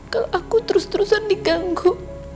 kalau aku terus terusan diganggu